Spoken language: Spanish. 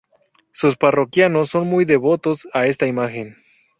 Sus parroquianos son muy devotos a esta imagen.